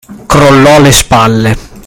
Crollò le spalle.